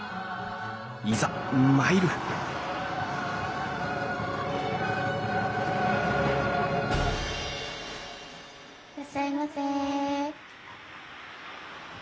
いざ参るいらっしゃいませ。